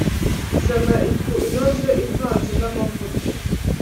Zana ifu inoze ivanze n’amavuta